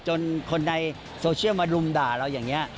จนคนในโซเชียลมารุมด่าเราอย่างนี้